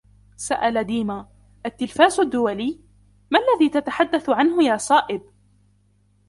سأل ديما: " التلفاز الدولي ؟ ما الذي تتحدث عنه يا صائب ؟"